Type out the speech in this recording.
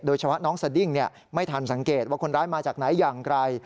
โดยเฉพาะน้องสดิ้งไม่ทันสังเกตว่าคนร้ายมาจากไหนอย่างไร